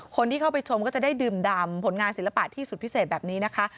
คนที่เข้าไปชมก็จะได้ดื่มดำผลงานศิลปะที่สุดพิเศษแบบนี้นะคะ